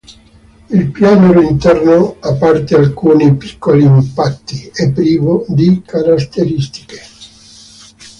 Il pianoro interno, a parte alcuni piccoli impatti, è privo di caratteristiche.